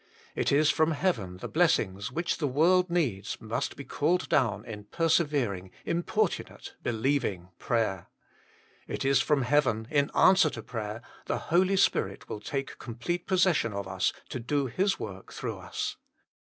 It is from heaven the blessings, which the world needs, must be called down in persevering, importunate, believing prayer. It is from heaven, in answer to prayer, the Holy Spirit will take complete possession of us to do His work through us.